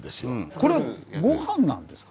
これはご飯なんですか？